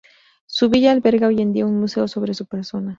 Su villa alberga hoy en día un museo sobre su persona.